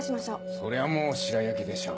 そりゃもう白焼きでしょう。